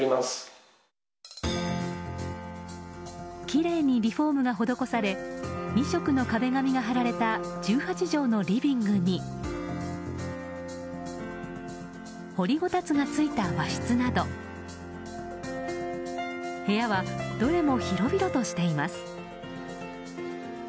きれいにリフォームが施され２色の壁紙が貼られた１８畳のリビングに掘りごたつがついた和室など部屋はどれも広々としています。